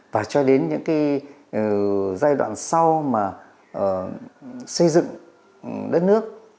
và cho đến những cái giai đoạn sau mà xây dựng đất nước